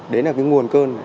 đến ở cái nguồn cơn